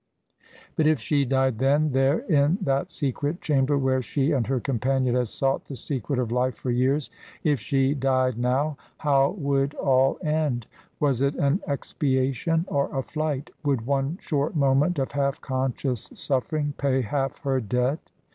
But if she died then, there, in that secret chamber where she and her companion had sought the secret of life for years, if she died now how would all end? Was it an expiation or a flight? Would one short moment of half conscious suffering pay half her debt?